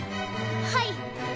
はい！